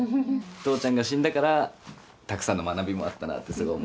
父ちゃんが死んだからたくさんの学びもあったなってすごい思って。